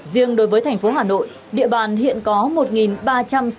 riêng đối với thành phố hà nội địa bàn hiện có một ba trăm sáu mươi chín cơ sở kinh doanh karaoke